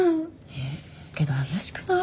えぇ？けど怪しくない？